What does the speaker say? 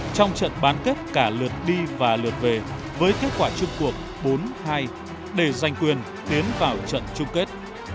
trong trận bán kết cả lượt đi và lượt về với kết quả chung cuộc bốn hai để giành quyền tiến vào trận chung kết